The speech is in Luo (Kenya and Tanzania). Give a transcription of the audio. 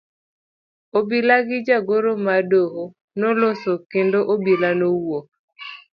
Obila gi jagoro mar doho noloso kendo obila nowuok.